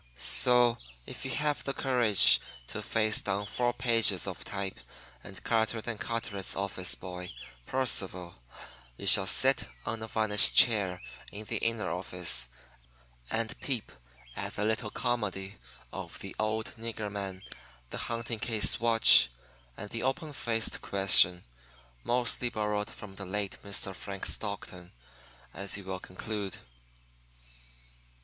So, if you have the courage to face four pages of type and Carteret & Carteret's office boy, Percival, you shall sit on a varnished chair in the inner office and peep at the little comedy of the Old Nigger Man, the Hunting Case Watch, and the Open Faced Question mostly borrowed from the late Mr. Frank Stockton, as you will conclude.